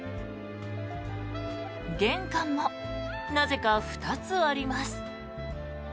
玄関もなぜか２つあります。